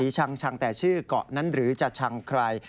ชังแต่ชื่อเกาะนั้นหรือจะชังใคร